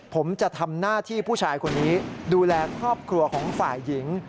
ผมจะทำหน้าที่ผู้ชายคนนี้ดูแลครอบครัวของฝ่ายหญิง